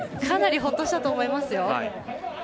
かなりほっとしたと思いますよ。